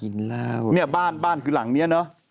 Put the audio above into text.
นี่บ้านคือหลังนี้เนอะ